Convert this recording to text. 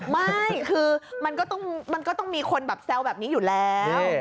ไม่คือมันก็ต้องมีคนแบบแซวแบบนี้อยู่แล้ว